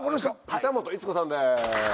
板元逸子さんです。